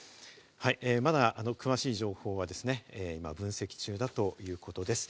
まだ詳しい情報は分析中だということです。